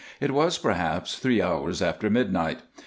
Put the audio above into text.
It was, perhaps, three hours after midnight.